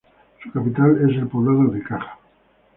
Su capital es el poblado de Caja.